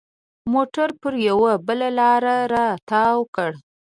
موټر پر یوه بله لاره را تاو کړ.